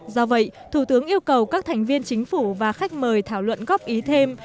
do vậy thủ tướng yêu cầu các thành viên chính phủ và khách mời thảo luận góp ý thêm